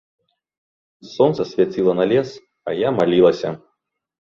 Сонца свяціла на лес, а я малілася.